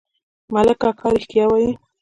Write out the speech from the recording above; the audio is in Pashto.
ملک اکا رښتيا وايي.